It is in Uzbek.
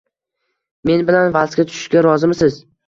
Men bilan valsga tushishga rozimisiz?